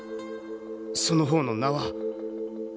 その方の名は？